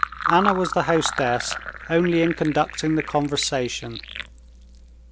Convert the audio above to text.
Anna was the hostess only in conducting the conversation.